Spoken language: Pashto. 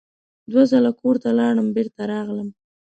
دوه ځله کور ته لاړم بېرته راغلم.